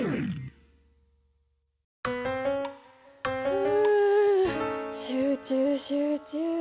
ふう集中集中。